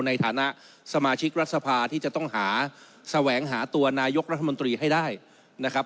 ในฐานะสมาชิกรัฐสภาที่จะต้องหาแสวงหาตัวนายกรัฐมนตรีให้ได้นะครับ